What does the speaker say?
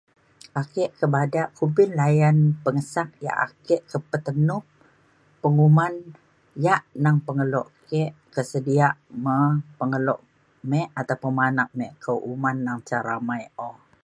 ake ke badak kumpin layan pengesak ya ake ke petenuk penguman ya' nang pengeluk ke' ke sedia me pengeluk mik ataupun me anak mik ke uman nang ca ramai o